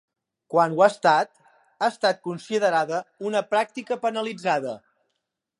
Quan ho ha estat, ha estat considerada una pràctica penalitzada.